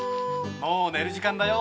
・もうねる時間だよ。